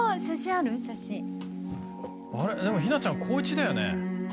写真ああれ？でも日菜ちゃん高１だよね